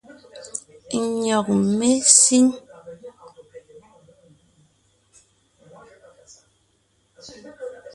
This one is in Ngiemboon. Nÿɔ́g mé síŋ.